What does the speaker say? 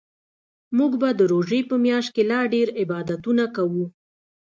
موږ به د روژې په میاشت کې لا ډیرعبادتونه کوو